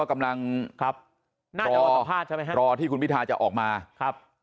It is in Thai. กำลังรอที่คุณพิทาจะออกมา